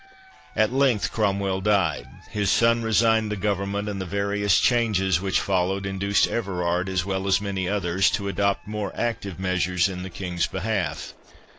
At length Cromwell died, his son resigned the government, and the various changes which followed induced Everard, as well as many others, to adopt more active measures in the King's behalf.